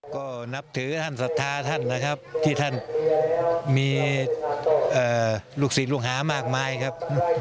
ก็นับถือท่านศรัทธาท่านนะครับที่ท่านมีลูกศิษย์ลูกหามากมายครับ